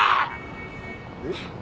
えっ？